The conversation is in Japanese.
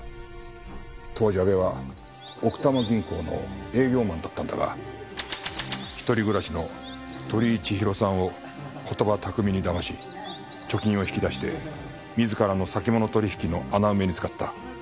当時阿部は奥多摩銀行の営業マンだったんだが一人暮らしの鳥居千尋さんを言葉巧みに騙し貯金を引き出して自らの先物取引の穴埋めに使った。